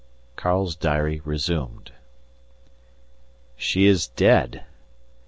Karl's Diary resumed. She is dead!